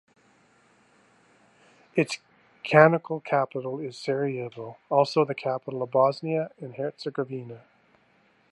Its cantonal capital is Sarajevo, also the capital city of Bosnia and Herzegovina.